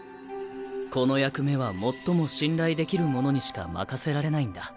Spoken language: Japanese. この役目は最も信頼できる者にしか任せられないんだ。